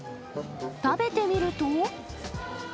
食べてみると。